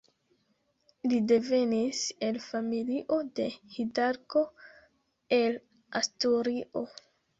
Li devenis el familio de hidalgo el Asturio.